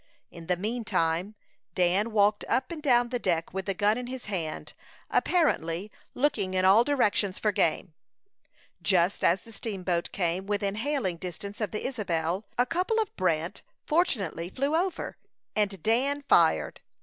In the mean time, Dan walked up and down the deck, with the gun in his hand, apparently looking in all directions for game. Just as the steamboat came within hailing distance of the Isabel, a couple of brant fortunately flew over, and Dan fired.